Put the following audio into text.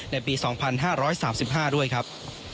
ในปี๒๕๓๕ด้วยครับ